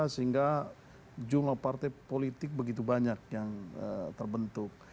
sehingga jumlah partai politik begitu banyak yang terbentuk